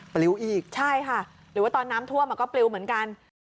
เปรี้ยวอีกใช่ค่ะหรือว่าตอนน้ำทั่วมาก็เปรี้ยวเหมือนกัน